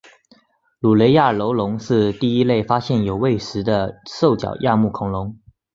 卢雷亚楼龙是第一类发现有胃石的兽脚亚目恐龙。